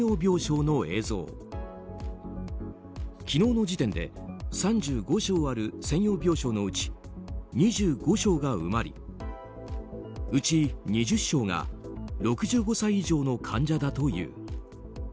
昨日の時点で３５床ある専用病床のうち２５床が埋まりうち２０床が６５歳以上の患者だという。